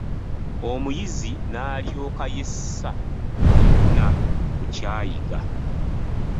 Omuyizi n'alyoka yessa yenna ku ky'ayiga.